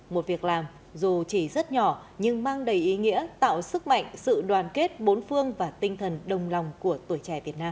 một việc làm dù chỉ rất nhỏ nhưng mang đầy ý nghĩa tạo sức mạnh sự đoàn kết bốn phương và tinh thần đồng lòng của tuổi trẻ việt nam